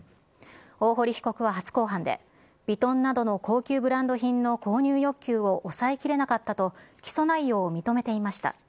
大堀被告は初公判で、ヴィトンなどの高級ブランド品の購入欲求を抑えきれなかったと、起訴内容を認めていました。